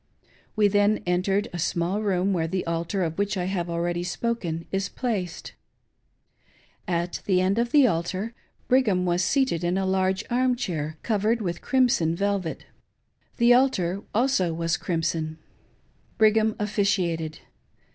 We then entered a §mall room where the altar, of which I have already spoken, is placed. At the end of the altar, Brigham was seated in a large arm chain MY Clara's wedding. 513 covered with crimson velvet The altar was also crimson. Brigham officiated.